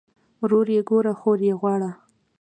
ورور ئې ګوره خور ئې غواړه